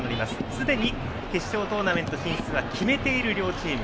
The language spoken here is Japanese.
すでに決勝トーナメント進出は決めている両チーム。